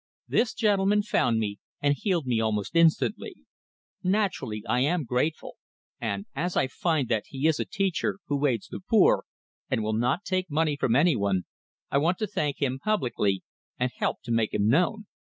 This gentleman found me, and healed me almost instantly. Naturally, I am grateful, and as I find that he is a teacher, who aids the poor, and will not take money from anyone, I want to thank him publicly, and help to make him known."